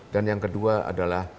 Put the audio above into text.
dan yang kedua adalah